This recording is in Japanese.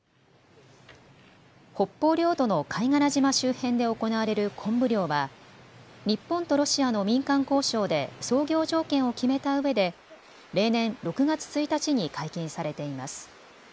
北方領土の貝殻島周辺で行われるコンブ漁は日本とロシアの民間交渉で操業条件を決めたうえで例年、６月１日に解禁されています。